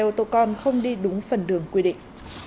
ô tô con không đi đúng phần đường quy định